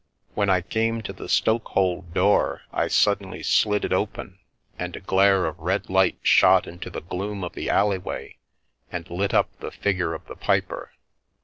When I came to the stokehold door I suddenly slid it open, and a glare of red light shot into the gloom of the alley way and lit up the figure of the piper.